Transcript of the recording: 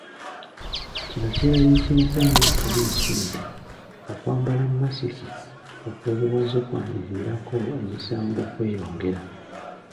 Kino kyeraliikirizza nnyo poliisi nti okwambala masiki okw'obuwaze kwandiviirako emisango okweyongera.